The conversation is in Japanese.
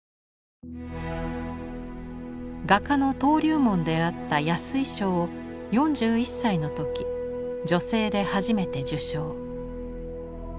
画家の登竜門であった「安井賞」を４１歳のとき女性で初めて受賞。